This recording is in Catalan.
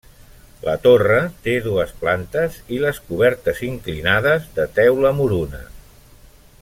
La torre té dues plantes i les cobertes inclinades de teula moruna.